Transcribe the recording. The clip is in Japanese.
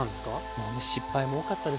もうね失敗も多かったですよ。